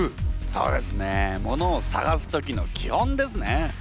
そうですねものを探す時の基本ですね。